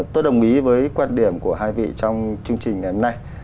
tôi đồng ý với quan điểm của hai vị trong chương trình ngày hôm nay